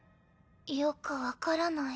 よく分からない。